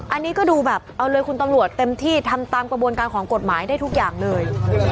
อันนี้ก็ดูแบบเอาเลยคุณตำรวจเต็มที่ทำตามกระบวนการของกฎหมายได้ทุกอย่างเลย